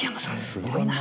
すごいな。